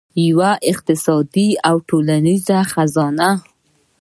یوه اقتصادي او ټولنیزه خزانه.